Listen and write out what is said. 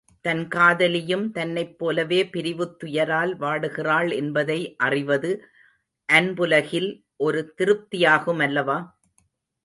தன் காதலியும் தன்னைப் போலவே பிரிவுத் துயரால் வாடுகிறாள் என்பதை அறிவது, அன்புலகில் ஒரு திருப்தியாகுமல்லவா?